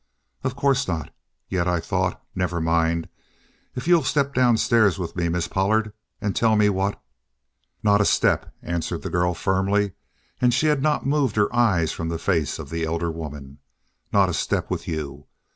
"Of course not. Yet I thought never mind. If you'll step downstairs with me, Miss Pollard, and tell me what " "Not a step," answered the girl firmly, and she had not moved her eyes from the face of the elder woman. "Not a step with you.